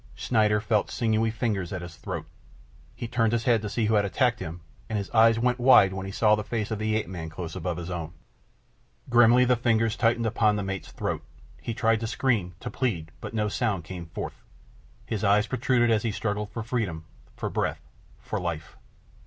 Schneider felt sinewy fingers at his throat. He turned his head to see who had attacked him, and his eyes went wide when he saw the face of the ape man close above his own. Grimly the fingers tightened upon the mate's throat. He tried to scream, to plead, but no sound came forth. His eyes protruded as he struggled for freedom, for breath, for life.